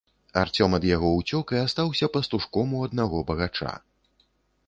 Арцём ад яго ўцёк і астаўся пастушком у аднаго багача.